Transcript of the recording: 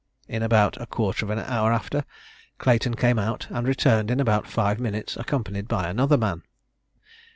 In about a quarter of an hour after, Clayton came out, and returned in about five minutes, accompanied by another man.